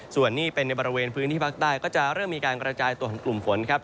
ส่วนนี้เป็นในบริเวณพื้นที่ภาคใต้ก็จะเริ่มมีการกระจายตัวของกลุ่มฝนครับ